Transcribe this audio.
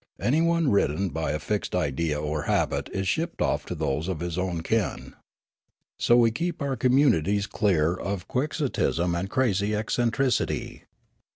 Anyone ridden by a fixed idea or habit is shipped off to those of his own kin. So we keep our communities clear of quixotism and crazy eccentricity.